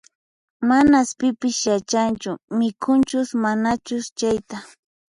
Manas pipis yachanchu mikhunchus manachus chayta